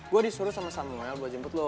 gue disuruh sama samuel buat jemput lo